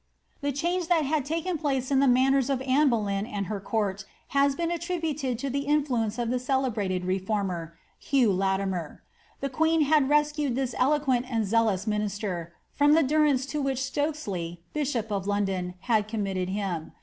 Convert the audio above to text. The change that had taken place in the mannera of Anne Bole3m and her court has been attributed to the influence of the celebrated reformer, Hugh Latimer.' The queen had rescued this eloquent and zealous minis ter from the durance to which Stokesley, bishop of London, had com mitted him.